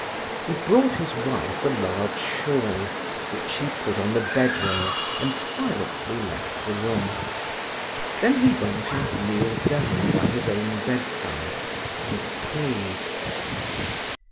He brought his wife a large shawl, which he put on the bed rail, and silently left the room. Then he went and kneeled down by his own bedside, and prayed.